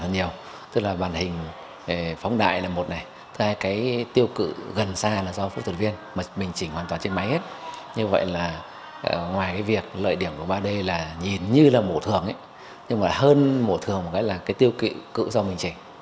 như vậy là ngoài việc lợi điểm của ba d là nhìn như là mổ thường nhưng mà hơn mổ thường là tiêu kỵ cựu do mình chỉnh